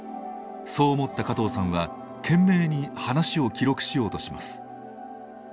そう思った加藤さんは懸命に話を記録しようとします。